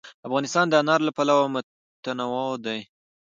افغانستان د انار له پلوه متنوع دی.